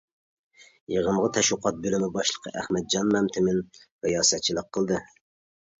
يىغىنغا تەشۋىقات بۆلۈمى باشلىقى ئەخمەتجان مەمتىمىن رىياسەتچىلىك قىلدى.